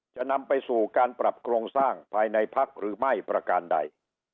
จะนำไปสู่การปรับโครงสร้างภายในพักหรือไม่ประการใด